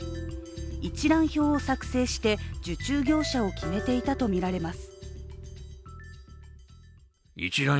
一覧表を作成して受注業者を決めていたとみられます。